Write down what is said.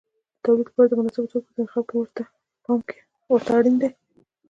د تولید لپاره د مناسبو توکو په انتخاب کې پام ورته اړین دی.